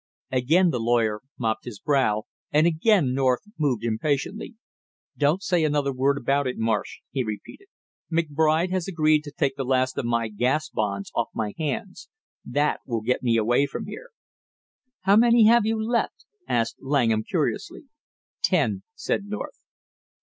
Again the lawyer mopped his brow and again North moved impatiently. "Don't say another word about it, Marsh," he repeated. "McBride has agreed to take the last of my gas bonds off my hands; that will get me away from here." "How many have you left?" asked Langham curiously. "Ten," said North.